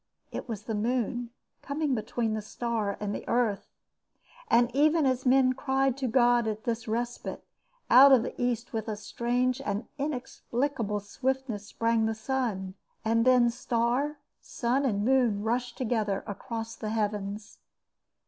It was the moon, coming between the star and the earth. And even as men cried to God at this respite, out of the East with a strange inexplicable swiftness sprang the sun. And then star, sun and moon rushed together across the heavens.